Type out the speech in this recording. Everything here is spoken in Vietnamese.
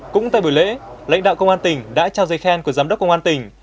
cũng tại buổi lễ lãnh đạo công an tỉnh đã trao dây khen của giám đốc công an tỉnh